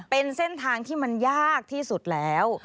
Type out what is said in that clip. เป็นเส้นทางที่มันยากที่สุดแล้ว